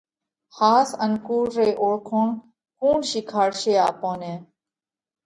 ۿاس ان ڪُوڙ رئِي اوۯکوڻ ڪُوڻ شِيکاڙشي آپون نئہ؟